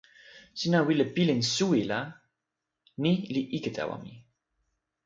sina wile pilin suwi la ni li ike tawa mi.